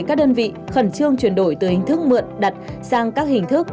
các đơn vị khẩn trương chuyển đổi từ hình thức mượn đặt sang các hình thức